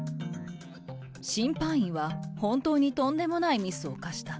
審判員は本当にとんでもないミスを犯した。